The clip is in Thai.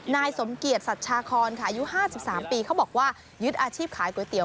นายสมเกียจสัชชาคอนค่ะอายุ๕๓ปีเขาบอกว่ายึดอาชีพขายก๋วยเตี๋ย